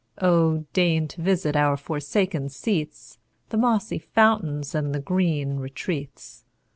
Oh deign to visit our forsaken seats, The mossy fountains, and the green retreats!